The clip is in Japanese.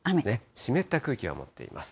湿った空気が持っています。